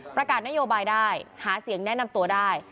ประกาศนโยบายได้หาเสียงแนะนำตัวได้